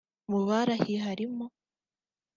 Mu barahiye harimo